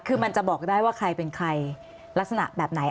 คือมันจะบอกได้ว่าใครเป็นใครลักษณะแบบไหน